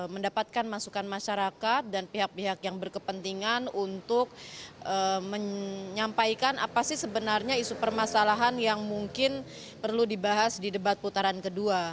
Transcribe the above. mendapatkan masukan masyarakat dan pihak pihak yang berkepentingan untuk menyampaikan apa sih sebenarnya isu permasalahan yang mungkin perlu dibahas di debat putaran kedua